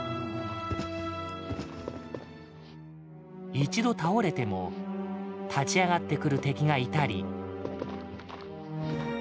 一度倒れても立ち上がってくる敵がいたり。